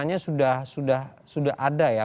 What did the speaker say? pernyataan kebencananya sudah ada ya